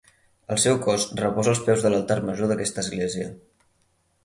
El seu cos reposa als peus de l'altar major d'aquesta església.